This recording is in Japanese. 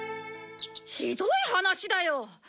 ひどい話だよ。